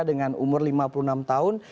dengan umur lima puluh enam tahun